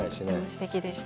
すてきでした。